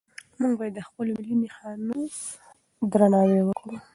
موږ باید د خپلو ملي نښانو درناوی وکړو.